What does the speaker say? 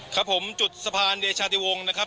ครับผมจุดสะพานเดชาติวงศ์นะครับ